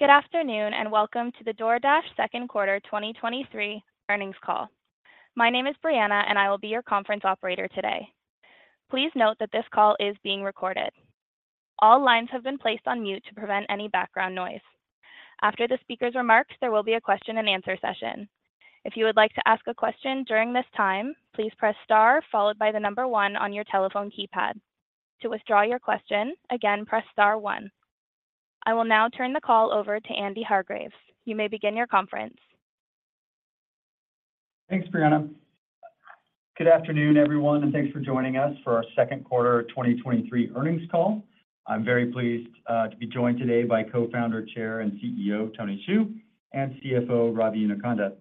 Good afternoon, and welcome to the DoorDash Q2 2023 Earnings Call. My name is Brianna, and I will be your conference operator today. Please note that this call is being recorded. All lines have been placed on mute to prevent any background noise. After the speaker's remarks, there will be a question and answer session. If you would like to ask a question during this time, please press star followed by the number one on your telephone keypad. To withdraw your question, again, press star one. I will now turn the call over to Andy Hargreaves. You may begin your conference. Thanks, Brianna. Good afternoon, everyone, thanks for joining us for our Q2 2023 earnings call. I'm very pleased to be joined today by Co-founder, Chair, and CEO, Tony Xu, and CFO, Ravi Inukonda.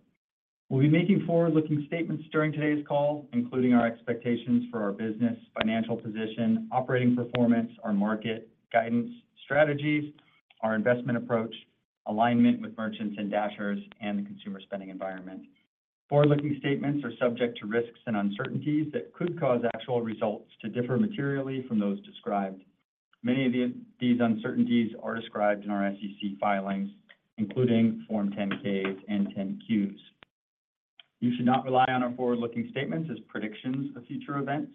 We'll be making forward-looking statements during today's call, including our expectations for our business, financial position, operating performance, our market, guidance, strategies, our investment approach, alignment with merchants and Dashers, and the consumer spending environment. Forward-looking statements are subject to risks and uncertainties that could cause actual results to differ materially from those described. Many of these uncertainties are described in our SEC filings, including Form 10-Ks and 10-Qs. You should not rely on our forward-looking statements as predictions of future events.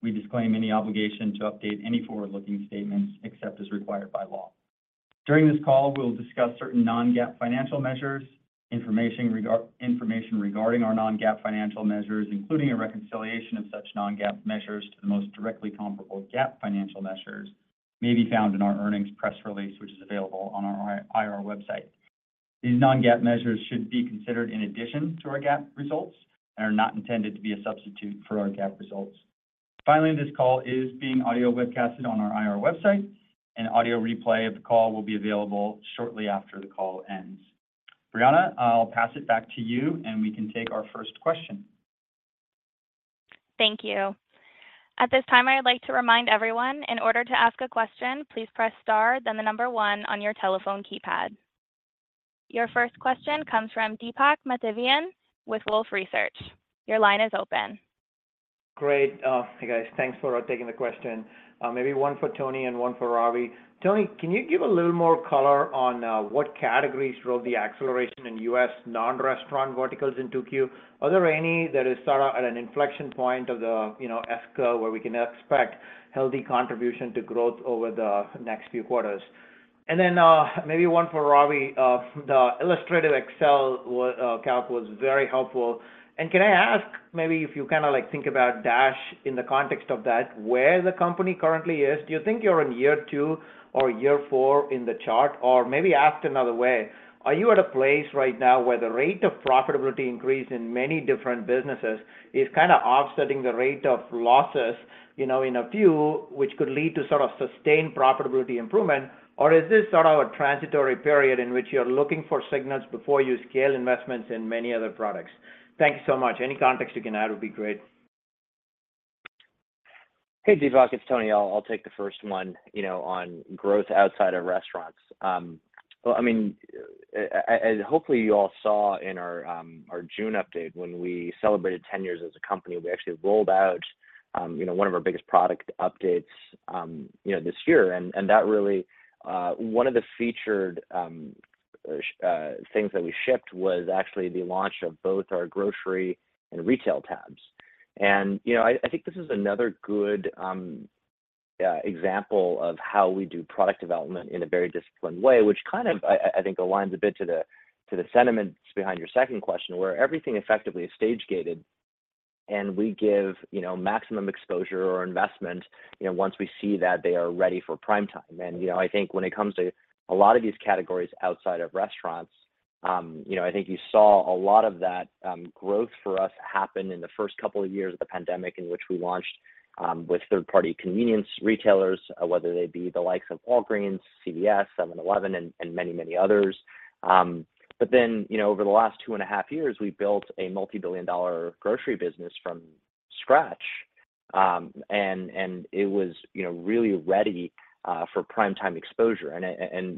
We disclaim any obligation to update any forward-looking statements except as required by law. During this call, we'll discuss certain non-GAAP financial measures, information regarding our non-GAAP financial measures, including a reconciliation of such non-GAAP measures to the most directly comparable GAAP financial measures, may be found in our earnings press release, which is available on our IR website. These non-GAAP measures should be considered in addition to our GAAP results and are not intended to be a substitute for our GAAP results. Finally, this call is being audio webcasted on our IR website, and audio replay of the call will be available shortly after the call ends. Brianna, I'll pass it back to you, and we can take our first question. Thank you. At this time, I'd like to remind everyone, in order to ask a question, please press star, then the number one on your telephone keypad. Your first question comes from Deepak Mathivanan with Wolfe Research. Your line is open. Great. Hey, guys. Thanks for taking the question. Maybe one for Tony and one for Ravi. Tony, can you give a little more color on what categories drove the acceleration in US non-restaurant verticals in Q2? Are there any that is sort of at an inflection point of the, you know, S curve, where we can expect healthy contribution to growth over the next few quarters? Then, maybe one for Ravi. The illustrative Excel calc was very helpful. Can I ask, maybe if you kind of like, think about Dash in the context of that, where the company currently is, do you think you're in year two or year four in the chart? Maybe asked another way, are you at a place right now where the rate of profitability increase in many different businesses is kind of offsetting the rate of losses, you know, in a few, which could lead to sort of sustained profitability improvement? Is this sort of a transitory period in which you're looking for signals before you scale investments in many other products? Thank you so much. Any context you can add would be great. Hey, Deepak, it's Tony. I'll, I'll take the first one, you know, on growth outside of restaurants. Well, I mean, as hopefully you all saw in our June update, when we celebrated 10 years as a company, we actually rolled out, you know, one of our biggest product updates, you know, this year. That really, one of the featured things that we shipped was actually the launch of both our grocery and retail tabs. You know, I, I think this is another good example of how we do product development in a very disciplined way, which kind of, I, I, I think, aligns a bit to the, to the sentiments behind your second question, where everything effectively is stage-gated, and we give, you know, maximum exposure or investment, you know, once we see that they are ready for prime time. You know, I think when it comes to a lot of these categories outside of restaurants, you know, I think you saw a lot of that growth for us happen in the first couple of years of the pandemic, in which we launched with third-party convenience retailers, whether they be the likes of Walgreens, CVS, 7-Eleven, and, and many, many others. You know, over the last 2.5 years, we've built a multi-billion dollar grocery business from scratch, and it was, you know, really ready for prime time exposure.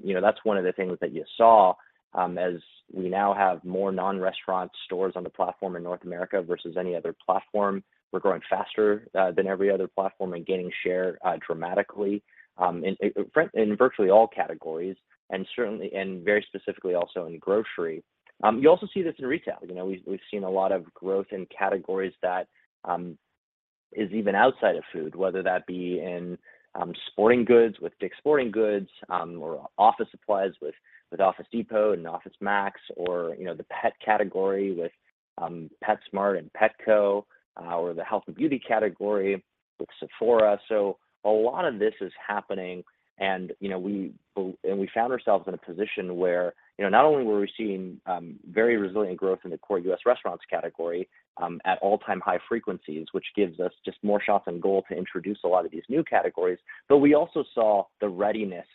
You know, that's one of the things that you saw as we now have more non-restaurant stores on the platform in North America versus any other platform. We're growing faster than every other platform and gaining share dramatically in virtually all categories, and certainly, and very specifically also in grocery. You also see this in retail. You know, we've, we've seen a lot of growth in categories that, is even outside of food, whether that be in, sporting goods with DICK'S Sporting Goods, or office supplies with, with Office Depot and OfficeMax, or, you know, the pet category with, PetSmart and Petco, or the health and beauty category with Sephora. A lot of this is happening, and, you know, we, and we found ourselves in a position where, you know, not only were we seeing very resilient growth in the core US restaurants category at all-time high frequencies, which gives us just more shots on goal to introduce a lot of these new categories, but we also saw the readiness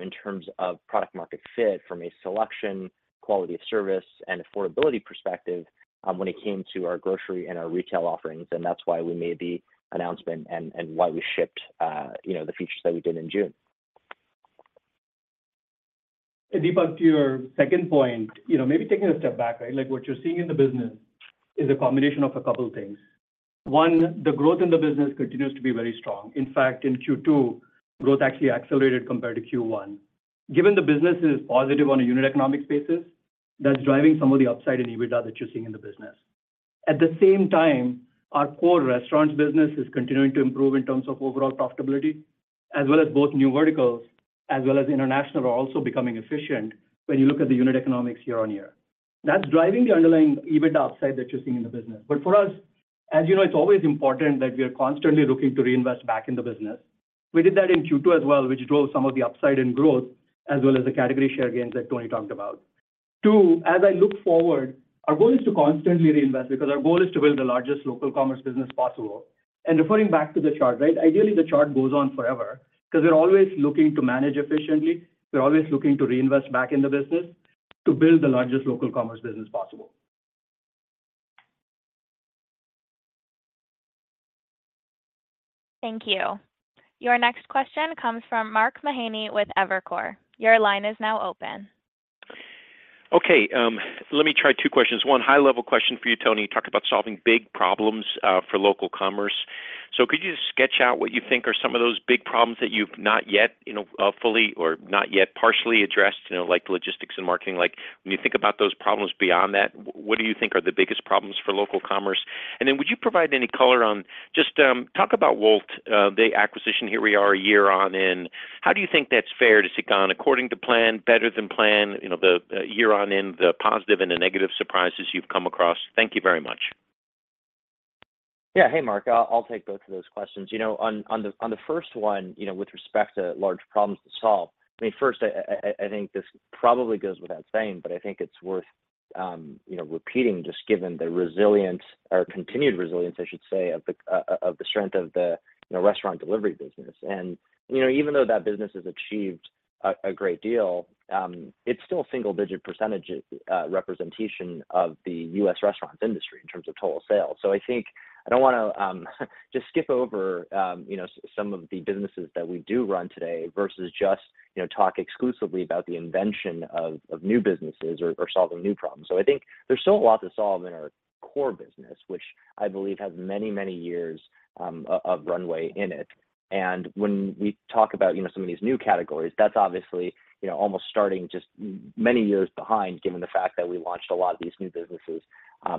in terms of product-market fit from a selection, quality of service, and affordability perspective when it came to our grocery and our retail offerings, and that's why we made the announcement and, and why we shipped, you know, the features that we did in June. Deepak, to your second point, you know, maybe taking a step back, right? Like, what you're seeing in the business is a combination of a couple things. One, the growth in the business continues to be very strong. In fact, in Q2, growth actually accelerated compared to Q1. Given the business is positive on a unit economic basis, that's driving some of the upside in EBITDA that you're seeing in the business. At the same time, our core restaurants business is continuing to improve in terms of overall profitability, as well as both new verticals, as well as international, are also becoming efficient when you look at the unit economics year-on-year. That's driving the underlying EBITDA upside that you're seeing in the business. For us, as you know, it's always important that we are constantly looking to reinvest back in the business. We did that in Q2 as well, which drove some of the upside in growth, as well as the category share gains that Tony talked about. Two, as I look forward, our goal is to constantly reinvest because our goal is to build the largest local commerce business possible. Referring back to the chart, right? Ideally, the chart goes on forever, 'cause we're always looking to manage efficiently, we're always looking to reinvest back in the business to build the largest local commerce business possible. Thank you. Your next question comes from Mark Mahaney with Evercore. Your line is now open. Okay, let me try two questions. One high-level question for you, Tony. You talked about solving big problems for local commerce. Could you just sketch out what you think are some of those big problems that you've not yet, you know, fully or not yet partially addressed, you know, like logistics and marketing? Like, when you think about those problems beyond that, what do you think are the biggest problems for local commerce? Would you provide any color on just talk about Wolt, the acquisition, here we are a year on in. How do you think that's fared? Has it gone according to plan, better than planned? You know, the year on in, the positive and the negative surprises you've come across. Thank you very much. Yeah. Hey, Mark. I'll, I'll take both of those questions. You know, on, on the, on the first one, you know, with respect to large problems to solve, I mean, first, I, I, I think this probably goes without saying, but I think it's worth, you know, repeating, just given the resilience or continued resilience, I should say, of the, of, of the strength of the, you know, restaurant delivery business. You know, even though that business has achieved a, a great deal, it's still a single-digit percentage representation of the US restaurant industry in terms of total sales. I think I don't wanna just skip over, you know, some of the businesses that we do run today versus just, you know, talk exclusively about the invention of, of new businesses or, or solving new problems. I think there's still a lot to solve in our core business, which I believe has many, many years of runway in it. When we talk about, you know, some of these new categories, that's obviously, you know, almost starting just many years behind, given the fact that we launched a lot of these new businesses,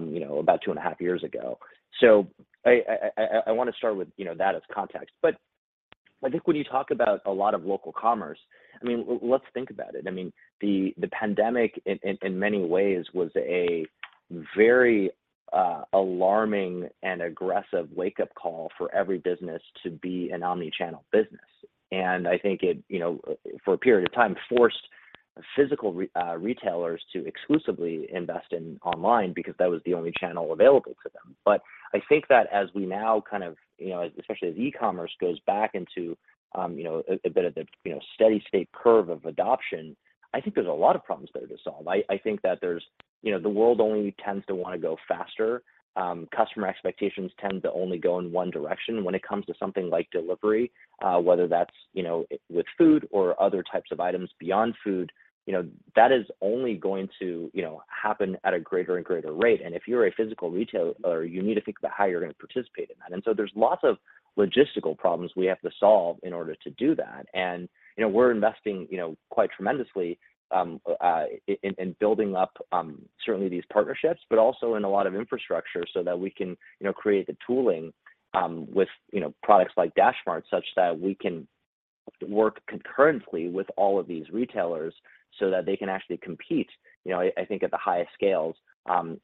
you know, about two and a half years ago. I, I, I, I want to start with, you know, that as context. I think when you talk about a lot of local commerce, I mean, let's think about it. I mean, the, the pandemic, in, in, in many ways was a very alarming and aggressive wake-up call for every business to be an omni-channel business. I think it, you know, for a period of time, forced physical retailers to exclusively invest in online because that was the only channel available to them. I think that as we now kind of, you know, especially as e-commerce goes back into, you know, a bit of a, you know, steady state curve of adoption, I think there's a lot of problems there to solve. I, I think that there's. You know, the world only tends to wanna go faster. Customer expectations tend to only go in one direction when it comes to something like delivery, whether that's, you know, with food or other types of items beyond food. You know, that is only going to, you know, happen at a greater and greater rate. If you're a physical retailer, you need to think about how you're going to participate in that. There's lots of logistical problems we have to solve in order to do that. You know, we're investing, you know, quite tremendously in building up certainly these partnerships, but also in a lot of infrastructure so that we can, you know, create the tooling with, you know, products like DashMart, such that we can work concurrently with all of these retailers so that they can actually compete, you know, I, I think at the highest scales,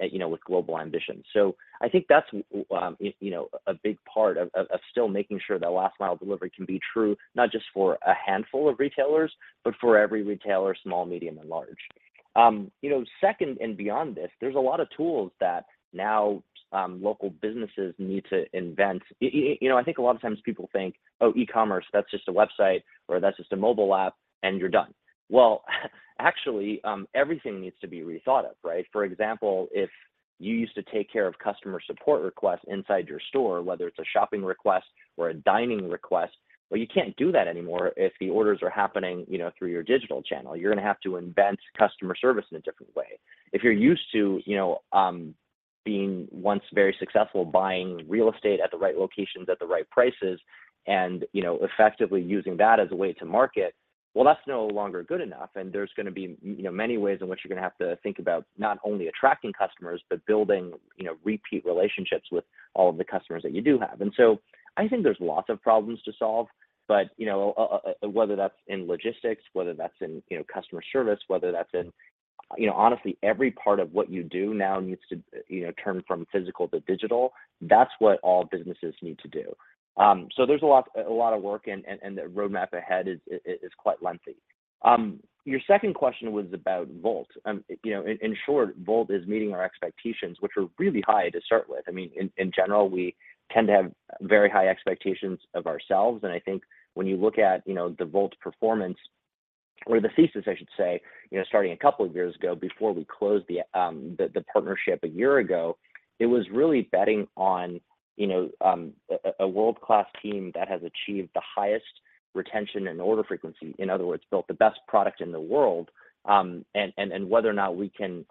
you know, with global ambitions. I think that's, you know, a big part of, of, of still making sure that last-mile delivery can be true, not just for a handful of retailers, but for every retailer, small, medium, and large. you know, second and beyond this, there's a lot of tools that now local businesses need to invent. you know, I think a lot of times people think: Oh, e-commerce, that's just a website, or that's just a mobile app, and you're done. Well, actually, everything needs to be rethought of, right? For example, if you used to take care of customer support requests inside your store, whether it's a shopping request or a dining request, well, you can't do that anymore if the orders are happening, you know, through your digital channel. You're gonna have to invent customer service in a different way. If you're used to, you know, being once very successful buying real estate at the right locations, at the right prices, and, you know, effectively using that as a way to market, well, that's no longer good enough, and there's gonna be, you know, many ways in which you're gonna have to think about not only attracting customers, but building, you know, repeat relationships with all of the customers that you do have. I think there's lots of problems to solve, but, you know, whether that's in logistics, whether that's in, you know, customer service, whether that's in, you know, honestly, every part of what you do now needs to, you know, turn from physical to digital. That's what all businesses need to do. There's a lot, a lot of work and, and, and the roadmap ahead is, is, is quite lengthy. Your second question was about Wolt. You know, in, in short, Wolt is meeting our expectations, which were really high to start with. I mean, in, in general, we tend to have very high expectations of ourselves, and I think when you look at, you know, the Wolt performance, or the thesis, I should say, you know, starting a couple of years ago, before we closed the, the partnership a year ago, it was really betting on, you know, a, a world-class team that has achieved the highest retention and order frequency, in other words, built the best product in the world, and whether or not we can,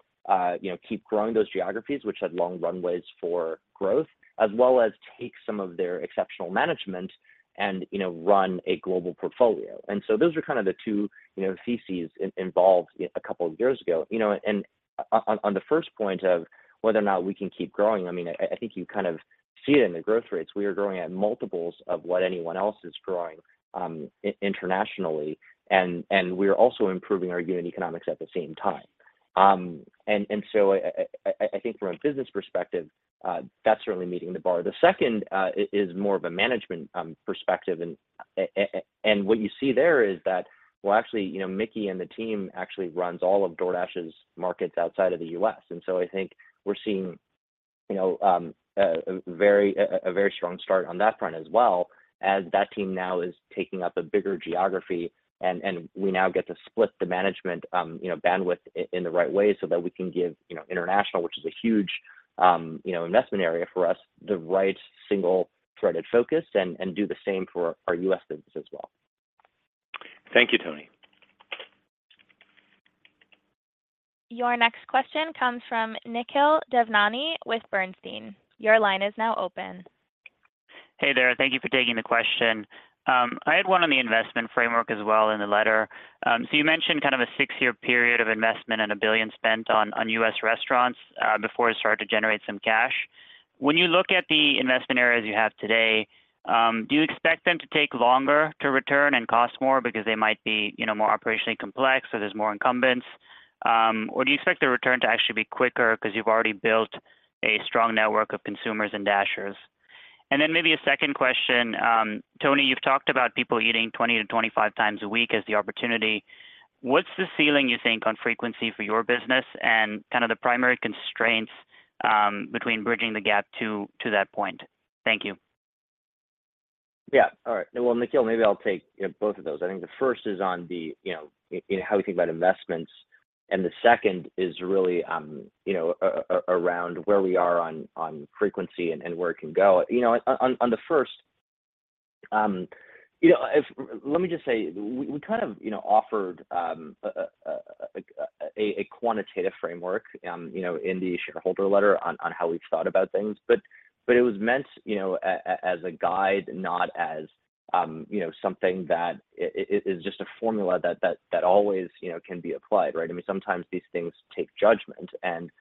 you know, keep growing those geographies, which had long runways for growth, as well as take some of their exceptional management and, you know, run a global portfolio. Those are kind of the two, you know, theses involved a couple of years ago. On the first point of whether or not we can keep growing, I mean, I, I think you kind of see it in the growth rates. We are growing at multiples of what anyone else is growing internationally, and we're also improving our unit economics at the same time. I, I, I think from a business perspective, that's certainly meeting the bar. The second is more of a management perspective, and what you see there is that, well, actually, you know, Miki and the team actually runs all of DoorDash's markets outside of the US. I think we're seeing, you know, a very strong start on that front as well, as that team now is taking up a bigger geography, and we now get to split the management, you know, bandwidth in the right way so that we can give, you know, international, which is a huge, you know, investment area for us, the right single-threaded focus, and do the same for our US business as well. Thank you, Tony. Your next question comes from Nikhil Devnani with Bernstein. Your line is now open. Hey there. Thank you for taking the question. I had one on the investment framework as well in the letter. You mentioned kind of a six year period of investment and $1 billion spent on U.S. restaurants before it started to generate some cash. When you look at the investment areas you have today, do you expect them to take longer to return and cost more because they might be, you know, more operationally complex, so there's more incumbents? Do you expect the return to actually be quicker because you've already built a strong network of consumers and Dashers? Then maybe a second question, Tony, you've talked about people eating 20-25 times a week as the opportunity. What's the ceiling, you think, on frequency for your business and kind of the primary constraints, between bridging the gap to, to that point? Thank you. Yeah. All right. Well, Nikhil, maybe I'll take, you know, both of those. I think the first is on the, you know, in how we think about investments, and the second is really, you know, around where we are on, on frequency and, and where it can go. You know, on, on the first, you know, let me just say, we, we kind of, you know, offered a quantitative framework, you know, in the shareholder letter on, on how we've thought about things, but it was meant, you know, as a guide, not as, you know, something that is just a formula that, that, that always, you know, can be applied, right? I mean, sometimes these things take judgment, and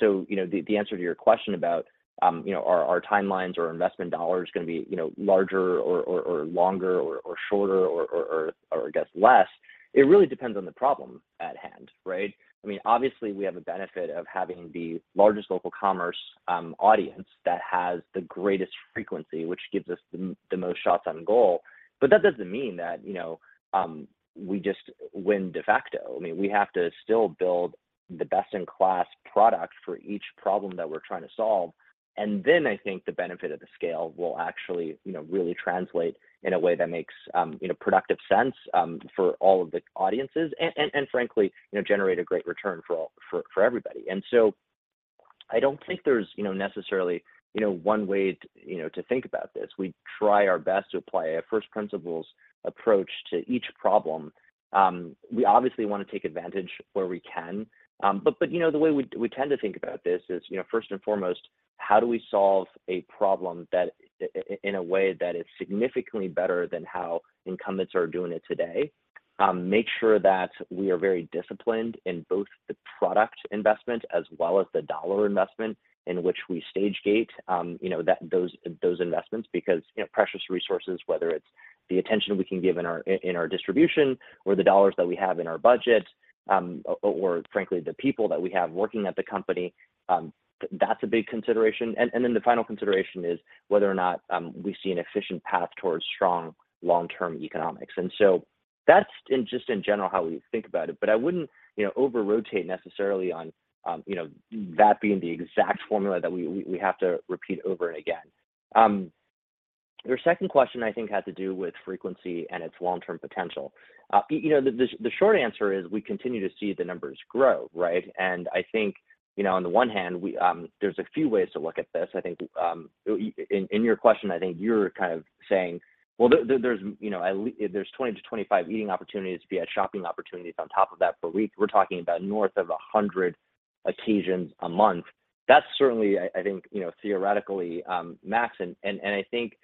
so, you know, the, the answer to your question about, you know, are, are timelines or investment dollars going to be, you know, larger or longer or shorter or I guess, less, it really depends on the problem at hand, right? I mean, obviously, we have a benefit of having the largest local commerce, audience that has the greatest frequency, which gives us the, the most shots on goal. That doesn't mean that, you know, we just win de facto. I mean, we have to still build the best-in-class product for each problem that we're trying to solve, and then I think the benefit of the scale will actually, you know, really translate in a way that makes, you know, productive sense for all of the audiences, and frankly, you know, generate a great return for everybody. I don't think there's, you know, necessarily, you know, one way to, you know, to think about this. We try our best to apply a first principles approach to each problem. We obviously want to take advantage where we can, but, you know, the way we tend to think about this is, you know, first and foremost, how do we solve a problem that in a way that is significantly better than how incumbents are doing it today? Make sure that we are very disciplined in both the product investment as well as the dollar investment in which we stage gate, you know, those investments, because, you know, precious resources, whether it's the attention we can give in our, in our distribution or the dollars that we have in our budget, or frankly, the people that we have working at the company, that's a big consideration. Then the final consideration is whether or not we see an efficient path towards strong long-term economics. That's in, just in general, how we think about it, but I wouldn't, you know, over-rotate necessarily on, you know, that being the exact formula that we, we, we have to repeat over and again. Your second question, I think, had to do with frequency and its long-term potential. You know, the, the short answer is we continue to see the numbers grow, right? I think, you know, on the one hand, we, there's a few ways to look at this. I think, in, in your question, I think you're kind of saying, well, there, there, there's, you know, there's 20-25 eating opportunities via shopping opportunities on top of that, we're talking about north of 100 occasions a month. That's certainly, I, I think, you know, theoretically, max, and, and, and I think,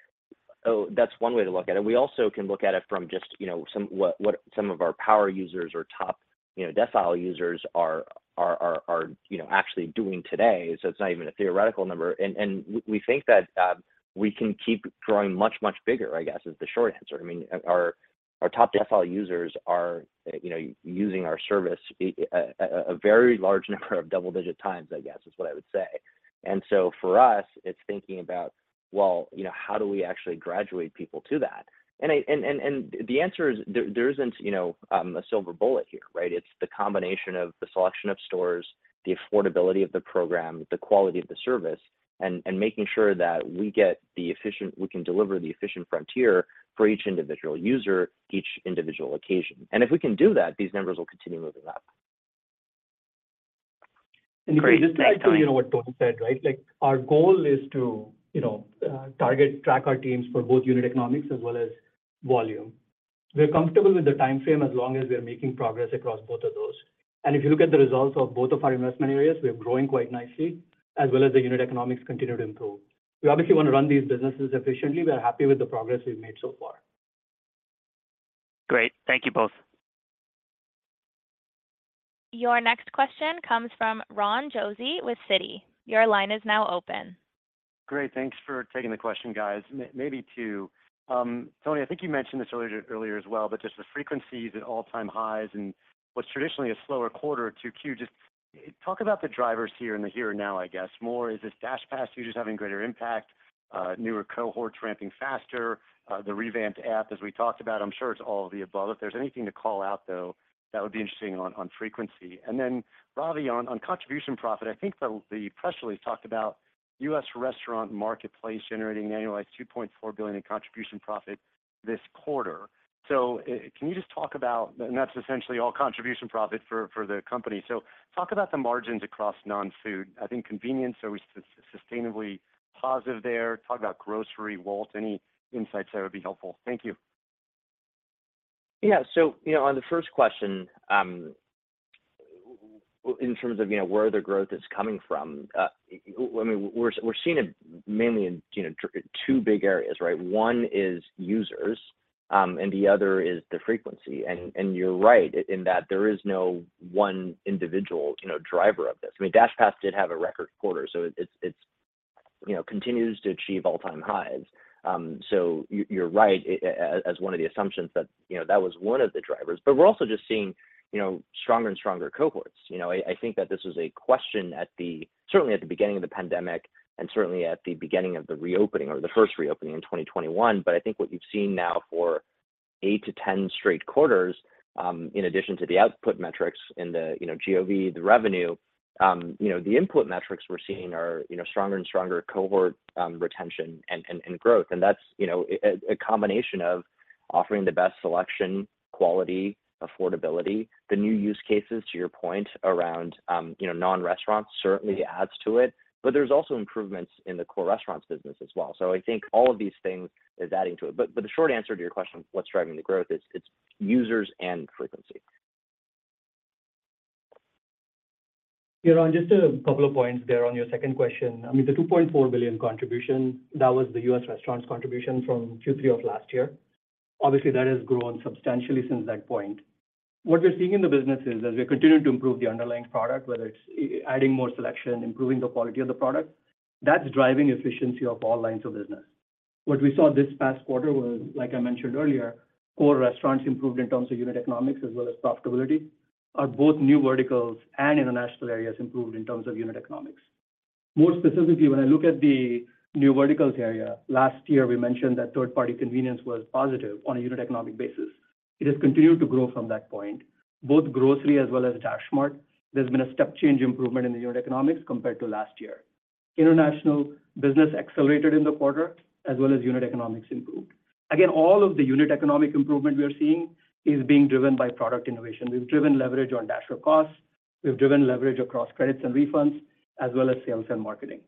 that's one way to look at it. We also can look at it from just, you know, what, what some of our power users or top, you know, decile users are, are, are, are, you know, actually doing today, so it's not even a theoretical number. We think that we can keep growing much, much bigger, I guess, is the short answer. I mean, our, our top decile users are, you know, using our service a, a, a very large number of double-digit times, I guess, is what I would say. For us, it's thinking about, well, you know, how do we actually graduate people to that? I, and the answer is there, there isn't, you know, a silver bullet here, right? It's the combination of the selection of stores, the affordability of the program, the quality of the service, and making sure that we get the efficient- we can deliver the efficient frontier for each individual user, each individual occasion. If we can do that, these numbers will continue moving up. If you just add to, you know, what Tony said, right? Like, our goal is to, you know, target, track our teams for both unit economics as well as volume. We're comfortable with the timeframe as long as we are making progress across both of those. If you look at the results of both of our investment areas, we are growing quite nicely, as well as the unit economics continue to improve. We obviously want to run these businesses efficiently. We're happy with the progress we've made so far. Great. Thank you both. Your next question comes from Ron Josey with Citi. Your line is now open. Great, thanks for taking the question, guys. Maybe two. Tony, I think you mentioned this earlier, earlier as well. Just the frequency is at all-time highs in what's traditionally a slower quarter, Q2. Just talk about the drivers here in the here and now, I guess, more. Is this DashPass just having greater impact, newer cohorts ramping faster, the revamped app, as we talked about? I'm sure it's all of the above. If there's anything to call out, though, that would be interesting on, on frequency. Then, Ravi, on contribution profit, I think the press release talked about US restaurant marketplace generating annualized $2.4 billion in contribution profit this quarter. Can you just talk about. That's essentially all contribution profit for the company. Talk about the margins across non-food. I think convenience are sustainably positive there. Talk about grocery, Wolt, any insights there would be helpful. Thank you. Yeah. You know, on the first question, in terms of, you know, where the growth is coming from, I mean, we're, we're seeing it mainly in, you know, two big areas, right? One is users, and the other is the frequency. You're right in that there is no one individual, you know, driver of this. I mean, DashPass did have a record quarter, so it's, it's, you know, continues to achieve all-time highs. You're, you're right, as one of the assumptions that, you know, that was one of the drivers. We're also just seeing, you know, stronger and stronger cohorts. You know, I, I think that this is a question at the, certainly at the beginning of the pandemic, and certainly at the beginning of the reopening or the first reopening in 2021. I think what you've seen now for 8-10 straight quarters, in addition to the output metrics in the GOV, the revenue, the input metrics we're seeing are stronger and stronger cohort retention and, and, and growth. That's a combination of offering the best selection, quality, affordability. The new use cases, to your point, around non-restaurants certainly adds to it, but there's also improvements in the core restaurants business as well. I think all of these things is adding to it. The short answer to your question, what's driving the growth, is it's users and frequency. Yeah, Ron, just a couple of points there on your second question. I mean, the $2.4 billion contribution, that was the US restaurants contribution from Q3 of last year. Obviously, that has grown substantially since that point. What we're seeing in the business is, as we continue to improve the underlying product, whether it's adding more selection, improving the quality of the product, that's driving efficiency of all lines of business. What we saw this past quarter was, like I mentioned earlier, core restaurants improved in terms of unit economics as well as profitability, are both new verticals and international areas improved in terms of unit economics. More specifically, when I look at the new verticals area, last year, we mentioned that third-party convenience was positive on a unit economic basis. It has continued to grow from that point, both grocery as well as DashMart. There's been a step change improvement in the unit economics compared to last year. International business accelerated in the quarter, as well as unit economics improved. Again, all of the unit economic improvement we are seeing is being driven by product innovation. We've driven leverage on Dasher cost, we've driven leverage across credits and refunds, as well as sales and marketing.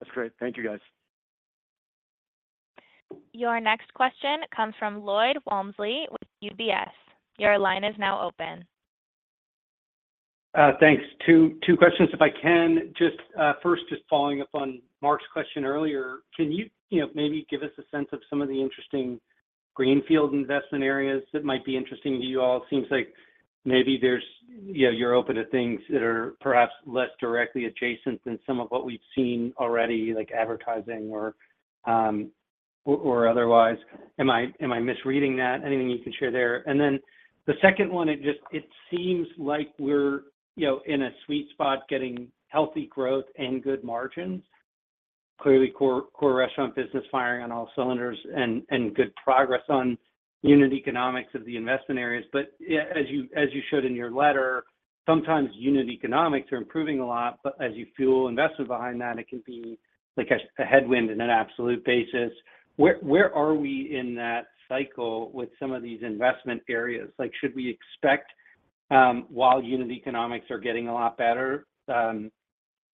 That's great. Thank you, guys. Your next question comes from Lloyd Walmsley with UBS. Your line is now open. Thanks. Two, two questions, if I can. Just first, just following up on Mark's question earlier, can you, you know, maybe give us a sense of some of the interesting greenfield investment areas that might be interesting to you all? It seems like maybe there's, you know, you're open to things that are perhaps less directly adjacent than some of what we've seen already, like advertising or, or, or otherwise. Am I, am I misreading that? Anything you can share there. Then the second one, it seems like we're, you know, in a sweet spot, getting healthy growth and good margins. Clearly, core, core restaurant business firing on all cylinders and, and good progress on unit economics of the investment areas. Yeah, as you, as you showed in your letter, sometimes unit economics are improving a lot, but as you fuel investment behind that, it can be like a, a headwind in an absolute basis. Where, where are we in that cycle with some of these investment areas? Should we expect, while unit economics are getting a lot better,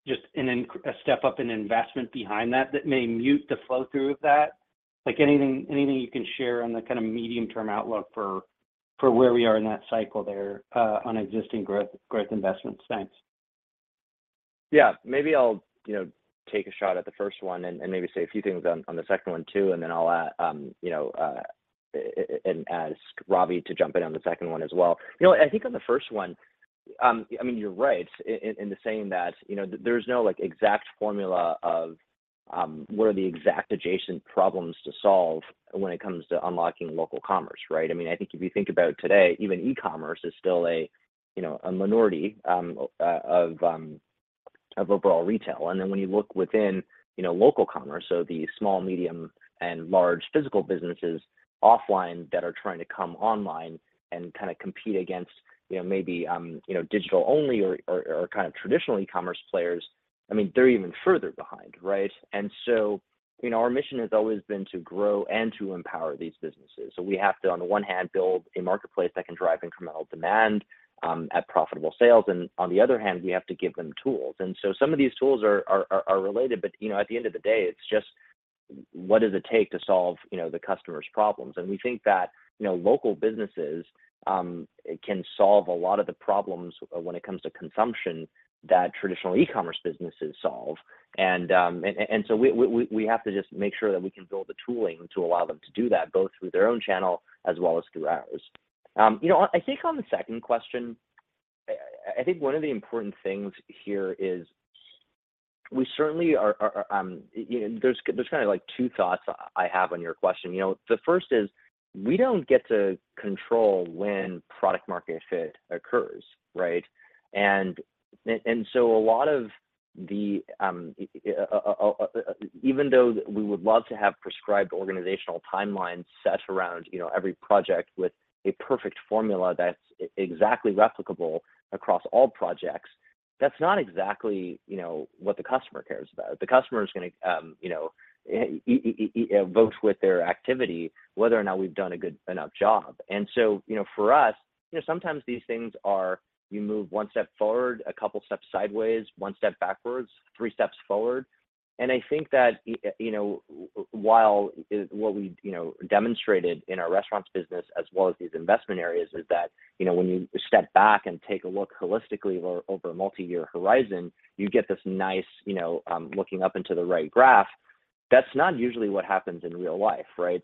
just a step up in investment behind that, that may mute the flow-through of that? Anything, anything you can share on the kind of medium-term outlook for, for where we are in that cycle there, on existing growth, growth investments? Thanks. Yeah. Maybe I'll, you know, take a shot at the first one and, and maybe say a few things on, on the second one, too, and then I'll, you know, ask Ravi to jump in on the second one as well. You know, I think on the first one, I mean, you're right in the saying that, you know, there's no, like, exact formula of, what are the exact adjacent problems to solve when it comes to unlocking local commerce, right? I mean, I think if you think about it today, even e-commerce is still a, you know, a minority of overall retail. When you look within, you know, local commerce, so the small, medium, and large physical businesses offline that are trying to come online and kind of compete against, you know, maybe, you know, digital only or, or, or kind of traditional e-commerce players. I mean, they're even further behind, right? Our mission has always been to grow and to empower these businesses. We have to, on the one hand, build a marketplace that can drive incremental demand at profitable sales, and on the other hand, we have to give them tools. Some of these tools are related, but, you know, at the end of the day, it's just what does it take to solve, you know, the customer's problems? We think that, you know, local businesses can solve a lot of the problems when it comes to consumption that traditional e-commerce businesses solve. We, we, we, we have to just make sure that we can build the tooling to allow them to do that, both through their own channel as well as through ours. You know, I think on the second question, I, I think one of the important things here is we certainly are, are, are, you know. There's, there's kind of like two thoughts I, I have on your question. You know, the first is, we don't get to control when product-market fit occurs, right? A lot of the, even though we would love to have prescribed organizational timelines set around, you know, every project with a perfect formula that's exactly replicable across all projects, that's not exactly, you know, what the customer cares about. The customer is gonna, you know, vote with their activity, whether or not we've done a good enough job. You know, for us, you know, sometimes these things are, you move one step forward, a couple steps sideways, one step backwards, three steps forward. I think that, you know, while what we, you know, demonstrated in our restaurants business as well as these investment areas, is that, you know, when you step back and take a look holistically over a multi-year horizon, you get this nice, you know, looking up into the right graph. That's not usually what happens in real life, right?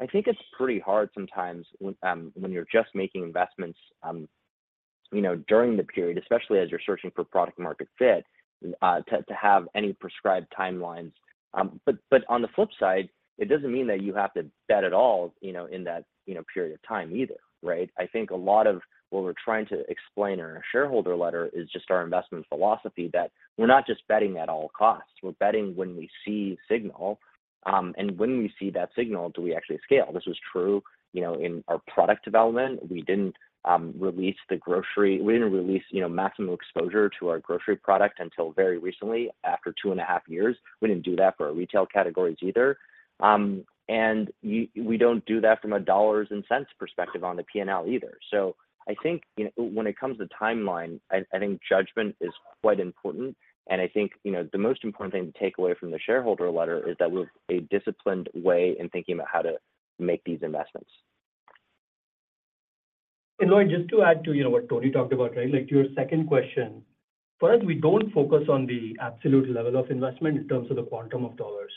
I think it's pretty hard sometimes when, when you're just making investments, you know, during the period, especially as you're searching for product-market fit, to have any prescribed timelines. On the flip side, it doesn't mean that you have to bet at all, you know, in that, you know, period of time either, right? I think a lot of what we're trying to explain in our shareholder letter is just our investment philosophy, that we're not just betting at all costs. We're betting when we see signal, and when we see that signal, do we actually scale? This was true, you know, in our product development. We didn't release the grocery, we didn't release, you know, maximum exposure to our grocery product until very recently, after 2.5 years. We didn't do that for our retail categories either. We don't do that from a dollars and cents perspective on the P&L either. I think, you know, when it comes to timeline, I think judgment is quite important, and I think, you know, the most important thing to take away from the shareholder letter is that we're a disciplined way in thinking about how to make these investments. Lloyd, just to add to, you know, what Tony talked about, right? Like, to your second question, for us, we don't focus on the absolute level of investment in terms of the quantum of dollars.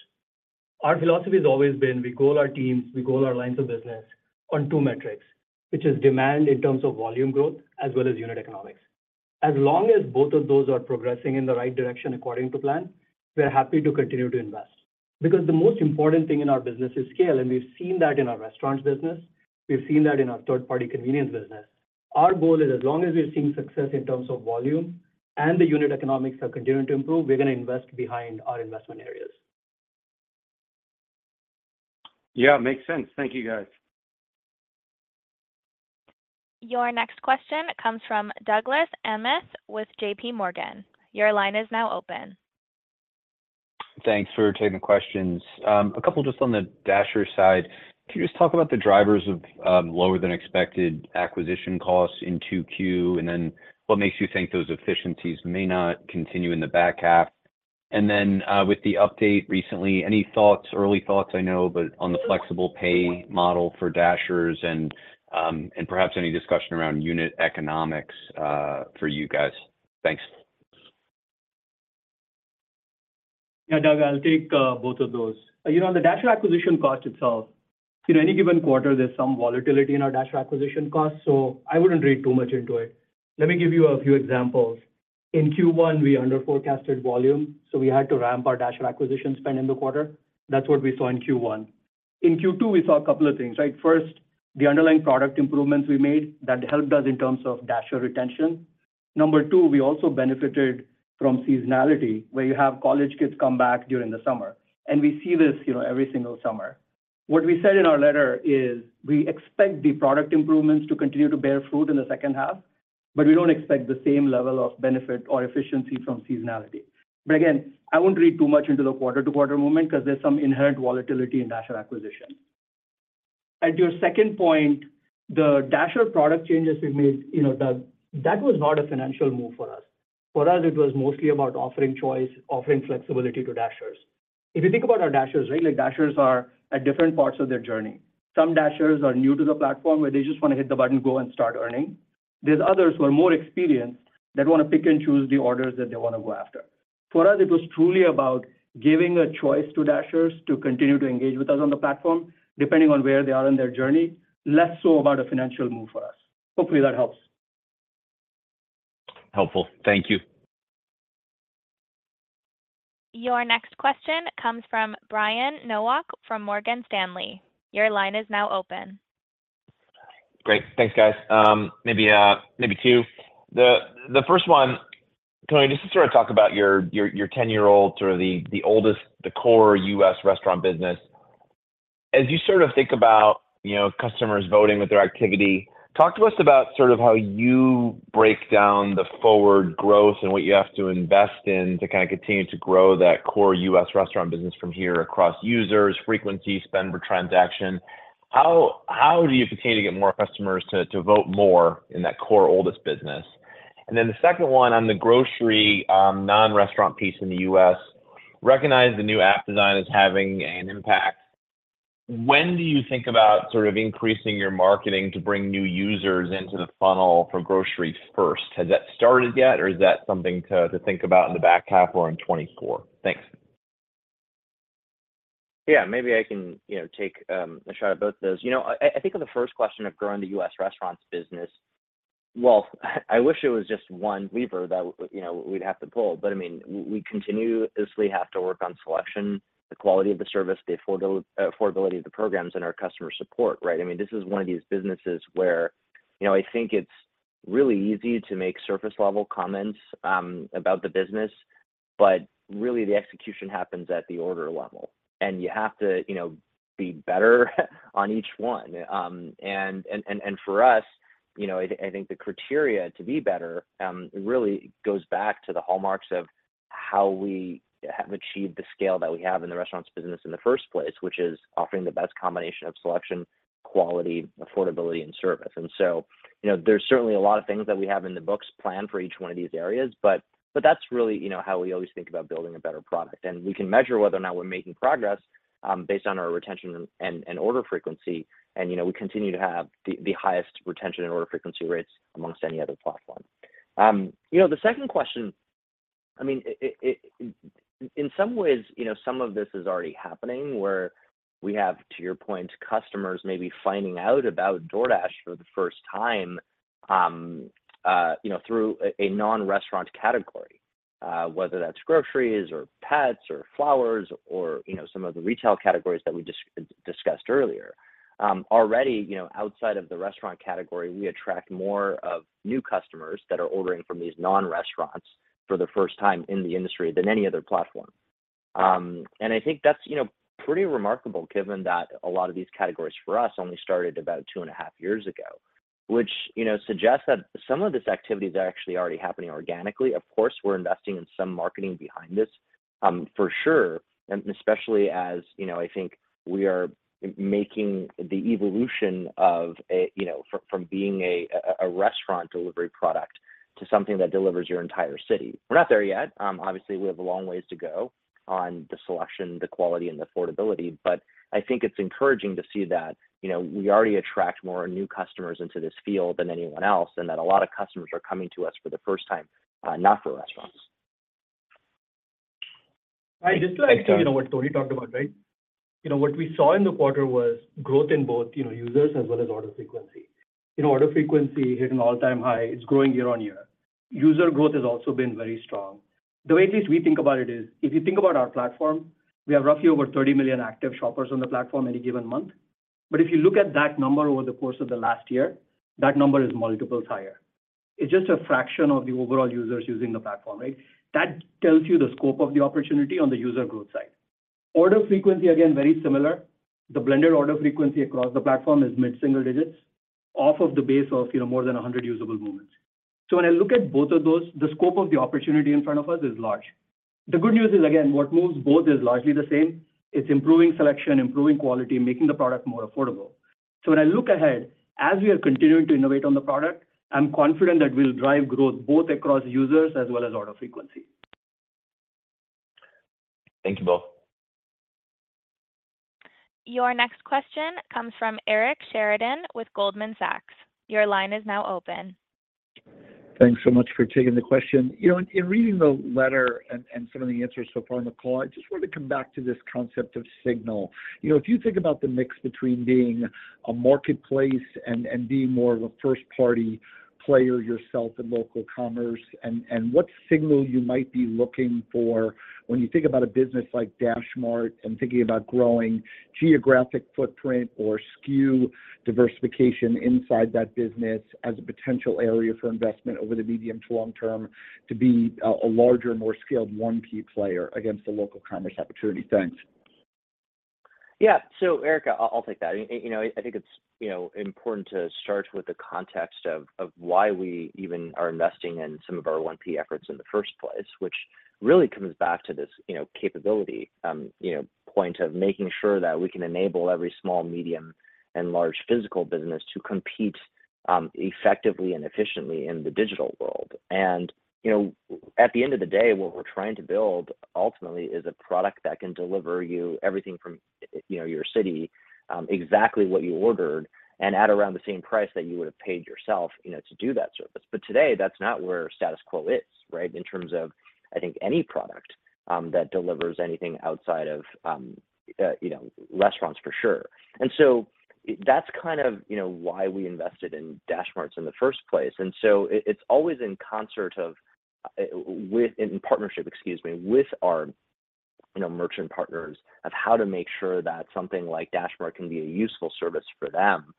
Our philosophy has always been, we goal our teams, we goal our lines of business on two metrics, which is demand in terms of volume growth as well as unit economics. As long as both of those are progressing in the right direction according to plan, we're happy to continue to invest. Because the most important thing in our business is scale, and we've seen that in our restaurants business, we've seen that in our third-party convenience business. Our goal is, as long as we're seeing success in terms of volume and the unit economics are continuing to improve, we're gonna invest behind our investment areas. Yeah, makes sense. Thank you, guys. Your next question comes from Douglas Anmuth with JPMorgan. Your line is now open. Thanks for taking the questions. A couple just on the Dasher side. Can you just talk about the drivers of lower than expected acquisition costs in Q2, and then what makes you think those efficiencies may not continue in the back half? With the update recently, any thoughts, early thoughts, I know, but on the flexible pay model for Dashers and perhaps any discussion around unit economics for you guys? Thanks. Yeah, Doug, I'll take both of those. You know, on the Dasher acquisition cost itself, in any given quarter, there's some volatility in our Dasher acquisition costs. I wouldn't read too much into it. Let me give you a few examples. In Q1, we under forecasted volume. We had to ramp our Dasher acquisition spend in the quarter. That's what we saw in Q1. In Q2, we saw two things, right? First, the underlying product improvements we made, that helped us in terms of Dasher retention. Number two, we also benefited from seasonality, where you have college kids come back during the summer. We see this, you know, every single summer. What we said in our letter is, we expect the product improvements to continue to bear fruit in the second half, but we don't expect the same level of benefit or efficiency from seasonality. Again, I wouldn't read too much into the quarter-to-quarter movement, 'cause there's some inherent volatility in Dasher acquisition. At your second point, the Dasher product changes we've made, you know, Doug, that was not a financial move for us. For us, it was mostly about offering choice, offering flexibility to Dashers. If you think about our Dashers, right, like, Dashers are at different parts of their journey. Some Dashers are new to the platform, where they just want to hit the button, go, and start earning. There's others who are more experienced, that want to pick and choose the orders that they want to go after. For us, it was truly about giving a choice to Dashers to continue to engage with us on the platform, depending on where they are in their journey, less so about a financial move for us. Hopefully, that helps. Helpful. Thank you. Your next question comes from Brian Nowak from Morgan Stanley. Your line is now open. Great. Thanks, guys. maybe two. The first one, Tony, just to sort of talk about your 10-year-old, sort of the oldest, the core US restaurant business. As you sort of think about, you know, customers voting with their activity, talk to us about sort of how you break down the forward growth and what you have to invest in to kind of continue to grow that core US restaurant business from here across users, frequency, spend per transaction. How, how do you continue to get more customers to, to vote more in that core oldest business? Then the second one on the grocery, non-restaurant piece in the US, recognize the new app design is having an impact. When do you think about sort of increasing your marketing to bring new users into the funnel for grocery first? Has that started yet, or is that something to, to think about in the back half or in 2024? Thanks. Yeah, maybe I can, you know, take a shot at both those. You know, I, I think on the first question of growing the US restaurants business, well, I wish it was just one lever that, you know, we'd have to pull. I mean, we continuously have to work on selection, the quality of the service, the affordability of the programs, and our customer support, right? I mean, this is one of these businesses where, you know, I think it's really easy to make surface-level comments about the business, but really, the execution happens at the order level, and you have to, you know, be better on each one. For us, you know, I, I think the criteria to be better, really goes back to the hallmarks of how we have achieved the scale that we have in the restaurants business in the first place, which is offering the best combination of selection, quality, affordability, and service. You know, there's certainly a lot of things that we have in the books planned for each one of these areas, but, but that's really, you know, how we always think about building a better product. We can measure whether or not we're making progress, based on our retention and, and, and order frequency, and, you know, we continue to have the, the highest retention and order frequency rates amongst any other platform. You know, the second question, I mean, it, it, it in some ways, you know, some of this is already happening, where we have, to your point, customers maybe finding out about DoorDash for the first time, you know, through a, a non-restaurant category, whether that's groceries, or pets, or flowers or, you know, some of the retail categories that we discussed earlier. Already, you know, outside of the restaurant category, we attract more of new customers that are ordering from these non-restaurants for the first time in the industry than any other platform. I think that's, you know, pretty remarkable given that a lot of these categories for us only started about 2.5 years ago, which, you know, suggests that some of this activity is actually already happening organically. Of course, we're investing in some marketing behind this, for sure, and especially as, you know, I think we are making the evolution of a, you know, from being a restaurant delivery product to something that delivers your entire city. We're not there yet. Obviously, we have a long ways to go on the selection, the quality, and the affordability, but I think it's encouraging to see that, you know, we already attract more new customers into this field than anyone else, and that a lot of customers are coming to us for the first time, not for restaurants. You know what Tony talked about, right? You know, what we saw in the quarter was growth in both, you know, users as well as order frequency. You know, order frequency hit an all-time high. It's growing year-on-year. User growth has also been very strong. The way at least we think about it is, if you think about our platform, we have roughly over 30 million active shoppers on the platform any given month. If you look at that number over the course of the last year, that number is multiples higher. It's just a fraction of the overall users using the platform, right? That tells you the scope of the opportunity on the user growth side. Order frequency, again, very similar. The blended order frequency across the platform is mid-single digits, off of the base of, you know, more than 100 usable moments. When I look at both of those, the scope of the opportunity in front of us is large. The good news is, again, what moves both is largely the same. It's improving selection, improving quality, making the product more affordable. When I look ahead, as we are continuing to innovate on the product, I'm confident that we'll drive growth both across users as well as order frequency. Thank you, both. Your next question comes from Eric Sheridan with Goldman Sachs. Your line is now open. Thanks so much for taking the question. You know, in, in reading the letter and, and some of the answers so far on the call, I just want to come back to this concept of signal. You know, if you think about the mix between being a marketplace and, and being more of a first-party player yourself in local commerce, and, and what signal you might be looking for when you think about a business like DashMart and thinking about growing geographic footprint or SKU diversification inside that business as a potential area for investment over the medium to long term, to be a, a larger, more scaled 1P player against the local commerce opportunity. Thanks. Yeah. Eric, I'll, I'll take that. You know, I think it's, you know, important to start with the context of, of why we even are investing in some of our 1P efforts in the first place, which really comes back to this, you know, capability, you know, point of making sure that we can enable every small, medium, and large physical business to compete effectively and efficiently in the digital world. You know, at the end of the day, what we're trying to build ultimately is a product that can deliver you everything from, you know, your city, exactly what you ordered, and at around the same price that you would have paid yourself, you know, to do that service. Today, that's not where status quo is, right? In terms of, I think, any product that delivers anything outside of, you know, restaurants for sure. That's kind of, you know, why we invested in DashMart in the first place. It's always in concert of, with in partnership, excuse me, with our, you know, merchant partners, of how to make sure that something like DashMart can be a useful service for them.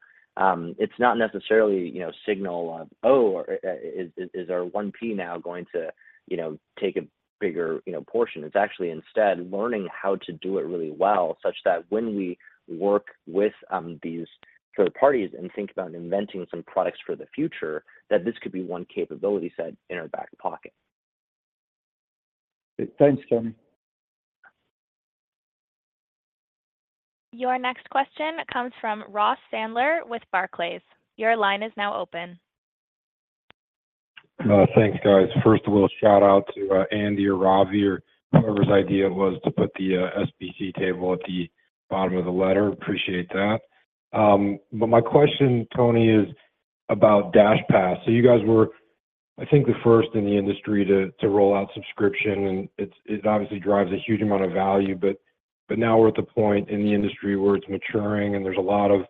It's not necessarily, you know, signal of, oh, is, is, is our 1P now going to, you know, take a bigger, you know, portion? It's actually instead learning how to do it really well, such that when we work with these third parties and think about inventing some products for the future, that this could be one capability set in our back pocket. Thanks, Tony. Your next question comes from Ross Sandler with Barclays. Your line is now open. Thanks, guys. First of all, shout out to Andy or Ravi, or whoever's idea it was to put the SBC table at the bottom of the letter. Appreciate that. My question, Tony, is about DashPass. You guys were, I think, the first in the industry to roll out subscription, and it obviously drives a huge amount of value, but now we're at the point in the industry where it's maturing, and there's a lot of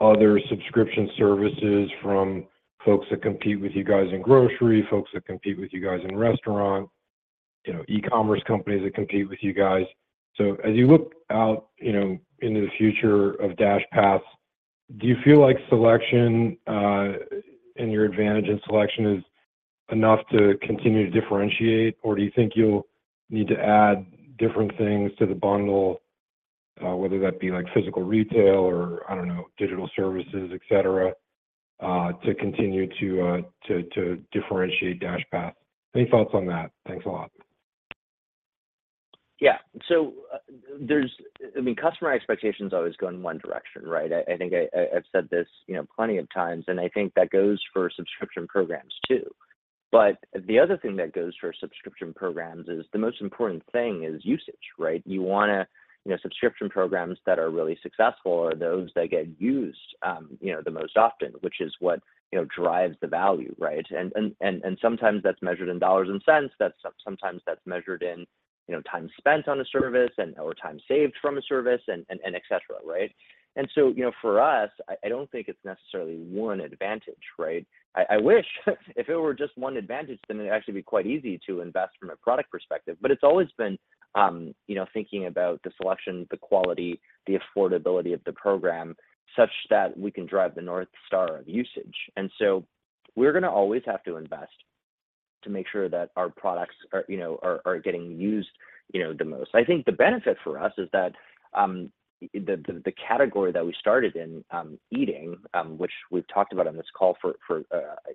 other subscription services from folks that compete with you guys in grocery, folks that compete with you guys in restaurant, you know, e-commerce companies that compete with you guys. As you look out, you know, into the future of DashPass, do you feel like selection and your advantage in selection is enough to continue to differentiate? Do you think you'll need to add different things to the bundle, whether that be like physical retail or, I don't know, digital services, et cetera, to continue to differentiate DashPass? Any thoughts on that? Thanks a lot. I mean, customer expectations always go in one direction, right? I, I think I, I, I've said this, you know, plenty of times, and I think that goes for subscription programs, too. The other thing that goes for subscription programs is, the most important thing is usage, right? You wanna you know, subscription programs that are really successful are those that get used, you know, the most often, which is what, you know, drives the value, right? Sometimes that's measured in dollars and cents. Sometimes that's measured in, you know, time spent on a service and or time saved from a service, and, and, and et cetera, right? You know, for us, I, I don't think it's necessarily one advantage, right? I wish if it were just one advantage, then it'd actually be quite easy to invest from a product perspective. It's always been, you know, thinking about the selection, the quality, the affordability of the program, such that we can drive the North Star of usage. We're gonna always have to invest to make sure that our products are, you know, are, are getting used, you know, the most. I think the benefit for us is that, the, the, the category that we started in, eating, which we've talked about on this call for, for,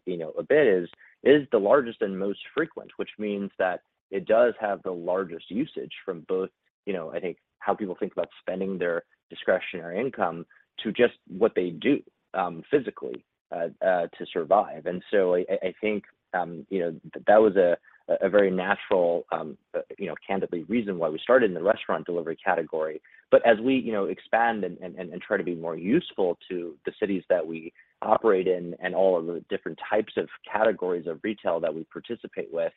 you know, a bit, is, is the largest and most frequent, which means that it does have the largest usage from both, you know, I think, how people think about spending their discretionary income, to just what they do, physically, to survive. I, I, I think, you know, that was a very natural, you know, candidly reason why we started in the restaurant delivery category, but as we, you know, expand and, and, and try to be more useful to the cities that we operate in and all of the different types of categories of retail that we participate with,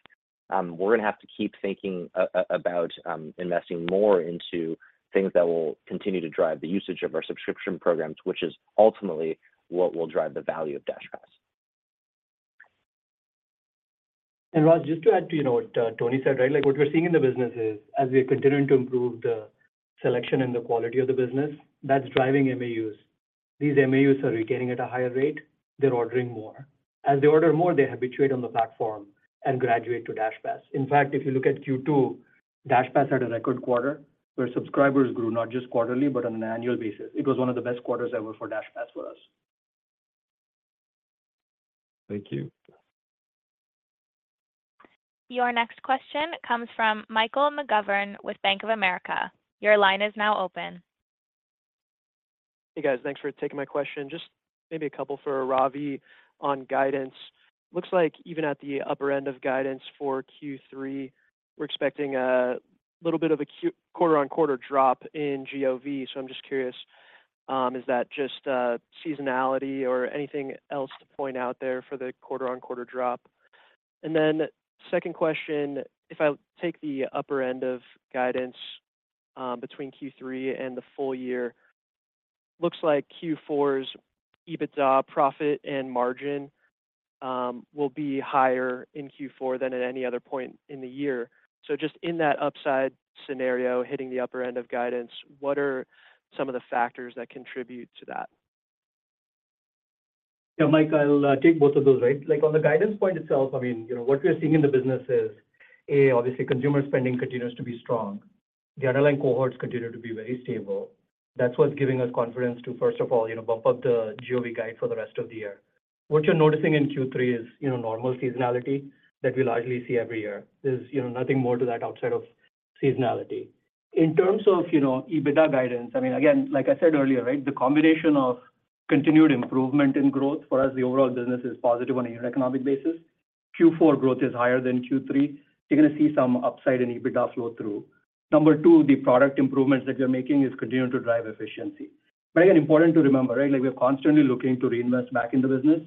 we're gonna have to keep thinking about investing more into things that will continue to drive the usage of our subscription programs, which is ultimately what will drive the value of DashPass. Ross, just to add to, you know, what Tony said, right? Like, what we're seeing in the business is, as we're continuing to improve the selection and the quality of the business, that's driving MAUs. These MAUs are retaining at a higher rate. They're ordering more. As they order more, they habituate on the platform and graduate to DashPass. In fact, if you look at Q2, DashPass had a record quarter, where subscribers grew, not just quarterly, but on an annual basis. It was one of the best quarters ever for DashPass for us. Thank you. Your next question comes from Michael McGovern with Bank of America. Your line is now open. Hey, guys. Thanks for taking my question. Just maybe a couple for Ravi on guidance. Looks like even at the upper end of guidance for Q3, we're expecting a little bit of a quarter-on-quarter drop in GOV. I'm just curious, is that just seasonality or anything else to point out there for the quarter-on-quarter drop? Then second question, if I take the upper end of guidance, between Q3 and the full year, looks like Q4's EBITDA profit and margin will be higher in Q4 than at any other point in the year. Just in that upside scenario, hitting the upper end of guidance, what are some of the factors that contribute to that? Yeah, Mike, I'll take both of those, right? Like, on the guidance point itself, I mean, you know, what we're seeing in the business is, A. Obviously, consumer spending continues to be strong. The underlying cohorts continue to be very stable. That's what's giving us confidence to, first of all, you know, bump up the GOV guide for the rest of the year. What you're noticing in Q3 is, you know, normal seasonality that we largely see every year. There's, you know, nothing more to that outside of seasonality. In terms of, you know, EBITDA guidance, I mean, again, like I said earlier, right, the combination of continued improvement in growth for us, the overall business is positive on a unit economic basis. Q4 growth is higher than Q3. You're gonna see some upside in EBITDA flow through. Number two, the product improvements that we are making is continuing to drive efficiency. Very important to remember, right? Like, we are constantly looking to reinvest back in the business,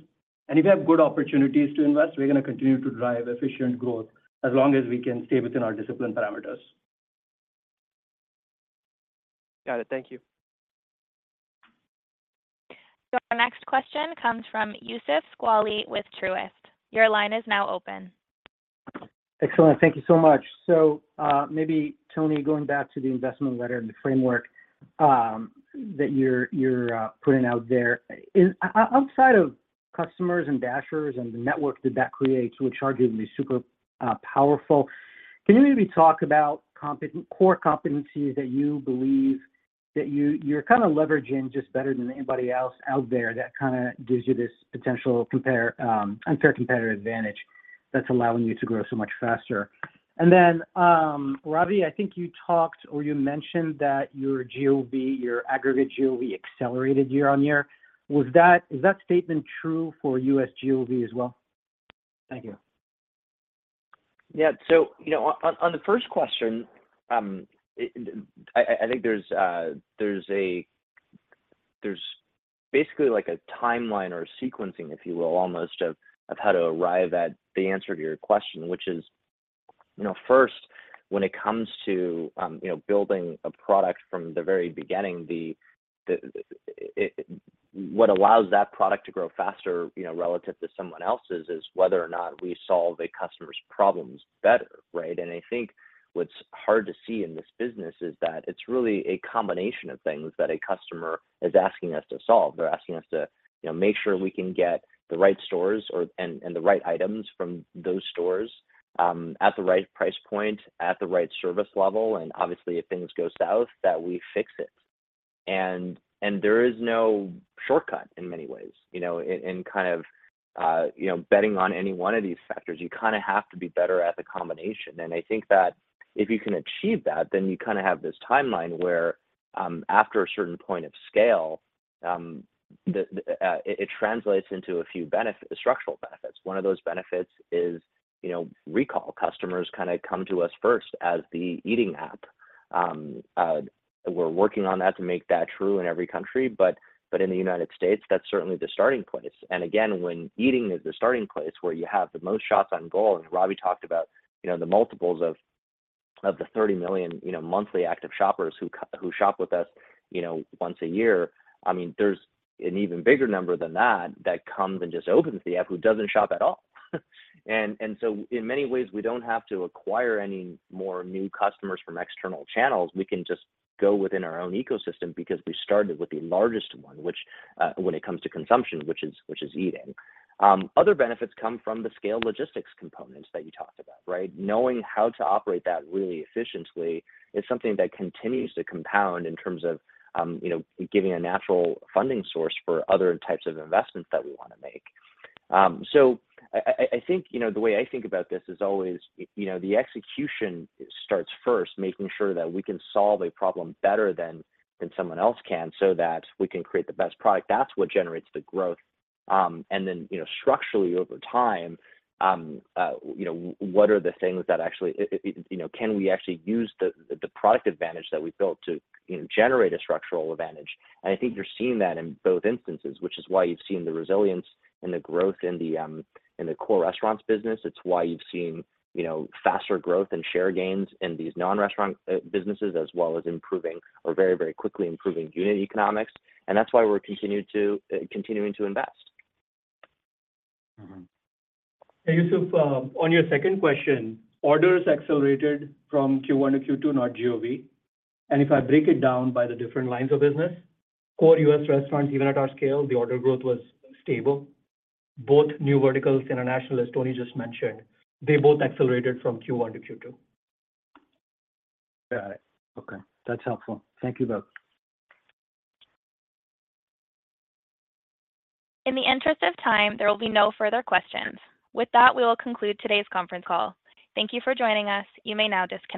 and if we have good opportunities to invest, we're gonna continue to drive efficient growth, as long as we can stay within our discipline parameters. Got it. Thank you. Your next question comes from Youssef Squali with Truist. Your line is now open. Excellent. Thank you so much. Maybe, Tony, going back to the investment letter and the framework that you're, you're putting out there. Outside of customers and Dashers, and the network that, that creates, which are going to be super powerful, can you maybe talk about core competencies that you believe that you, you're kind of leveraging just better than anybody else out there, that kind of gives you this potential compare, unfair competitive advantage that's allowing you to grow so much faster? Then, Ravi, I think you talked or you mentioned that your GOV, your aggregate GOV accelerated year-on-year. Was that, is that statement true for US GOV as well? Thank you. Yeah. You know, on, on, on the first question, I think there's basically like a timeline or sequencing, if you will, almost of how to arrive at the answer to your question, which is, you know, first, when it comes to, you know, building a product from the very beginning, what allows that product to grow faster, you know, relative to someone else's, is whether or not we solve a customer's problems better, right? I think what's hard to see in this business is that it's really a combination of things that a customer is asking us to solve. They're asking us to, you know, make sure we can get the right stores or, and the right items from those stores, at the right price point, at the right service level, obviously, if things go south, that we fix it. There is no shortcut in many ways, you know, in kind of, you know, betting on any one of these factors. You kind of have to be better at the combination. I think that if you can achieve that, then you kind of have this timeline where, after a certain point of scale, the, the, it translates into a few structural benefits. One of those benefits is, you know, recall customers kind of come to us first as the eating app. We're working on that to make that true in every country, but in the United States, that's certainly the starting point. Again, when eating is the starting place where you have the most shots on goal, and Ravi talked about, you know, the multiples of, of the 30 million, you know, monthly active shoppers who shop with us, you know, once a year. I mean, there's an even bigger number than that, that comes and just opens the app, who doesn't shop at all. In many ways, we don't have to acquire any more new customers from external channels. We can just go within our own ecosystem because we started with the largest one, which, when it comes to consumption, which is, which is eating. Other benefits come from the scale logistics components that you talked about, right? Knowing how to operate that really efficiently is something that continues to compound in terms of, you know, giving a natural funding source for other types of investments that we want to make. I, I, I think, you know, the way I think about this is always, you know, the execution starts first, making sure that we can solve a problem better than, than someone else can, so that we can create the best product. That's what generates the growth. You know, structurally, over time, you know, what are the things that actually... you know, can we actually use the, the, the product advantage that we built to, you know, generate a structural advantage? I think you're seeing that in both instances, which is why you've seen the resilience and the growth in the core restaurants business. It's why you've seen, you know, faster growth and share gains in these non-restaurant businesses, as well as improving or very, very quickly improving unit economics, and that's why we're continued to continuing to invest. Hey, Youssef, on your second question, orders accelerated from Q1 to Q2, not GOV. If I break it down by the different lines of business, core US restaurants, even at our scale, the order growth was stable. Both new verticals, international, as Tony just mentioned, they both accelerated from Q1 to Q2. Got it. Okay, that's helpful. Thank you both. In the interest of time, there will be no further questions. With that, we will conclude today's conference call. Thank you for joining us. You may now disconnect.